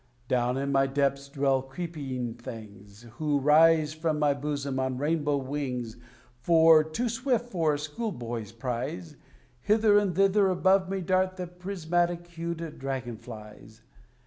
Down in my depths dwell creeping things Who rise from my bosom on rainbow wings, For too swift for a school boy's prize Hither and thither above me dart the prismatic hued dragon flies.